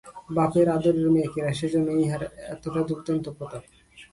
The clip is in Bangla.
বাপের আদরের মেয়ে কিনা, সেইজন্য ইহার এতটা দুর্দান্ত প্রতাপ।